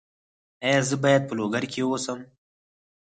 ایا زه باید په لوګر کې اوسم؟